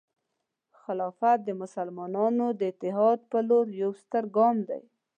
خلافت د مسلمانانو د اتحاد په لور یو ستر ګام دی.